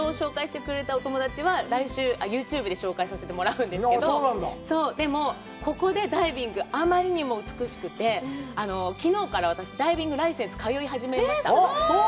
座間味島を紹介してくれたお友達は、来週、ユーチューブで紹介させてもらうんですけど、でも、ここでダイビング、あまりにも美しくて、きのうから私、ダイビングライセンス通い始めました。